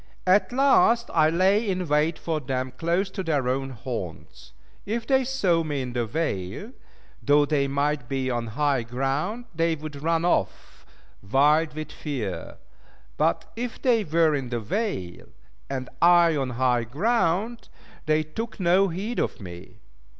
At last I lay in wait for them close to their own haunts. If they saw me in the vale, though they might be on high ground, they would run off, wild with fear; but if they were in the vale, and I on high ground, they took no heed of me.